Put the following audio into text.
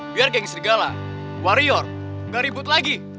biar geng serigala warior gak ribut lagi